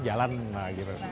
jalan lah gitu